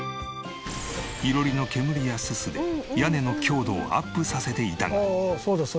囲炉裏の煙やススで屋根の強度をアップさせていたが。